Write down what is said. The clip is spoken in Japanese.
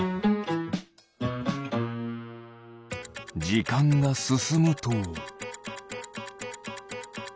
じかんがすすむと。